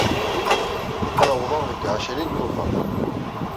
Ad awḍeɣ deg ɛcrin Tubeṛ.